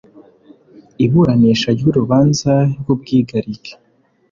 iburanisha ry urubanza rw ubwigarike